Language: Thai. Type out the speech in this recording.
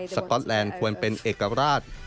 ก๊อตแลนด์ควรเป็นเอกราช